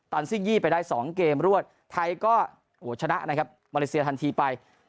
ซี่ยี่ไปได้๒เกมรวดไทยก็ชนะนะครับมาเลเซียทันทีไป